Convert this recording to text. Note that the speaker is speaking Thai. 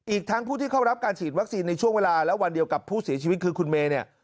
อีกทั้งผู้ที่เข้ารับการฉีดวัคซีนในช่วงเวลาและวันเดียวกับผู้เสียชีวิตคือคุณเมย์เนี่ย